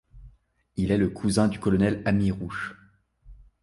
Il est le cousin du colonel Amirouche.